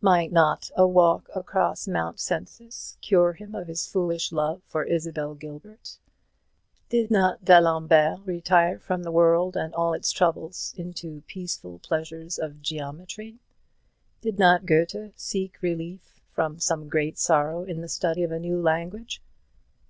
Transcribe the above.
Might not a walk across Mount Cenis cure him of his foolish love for Isabel Gilbert? Did not D'Alembert retire from the world and all its troubles into the peaceful pleasures of geometry? Did not Goethe seek relief from some great sorrow in the study of a new language?